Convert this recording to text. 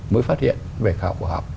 mới phát hiện về khảo khoa học